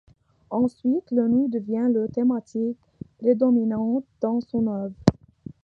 Ensuite, le nu devient la thématique prédominante dans son œuvre.